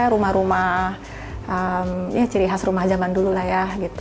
rumah rumah ya ciri khas rumah zaman dulu lah ya